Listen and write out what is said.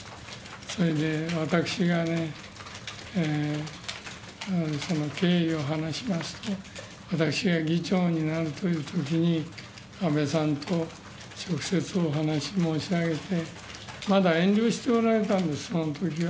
それで私がね、その経緯を話しますと、私が議長になるというときに安倍さんと直接お話申し上げて、まだ遠慮しておられたんです、まだそのときは。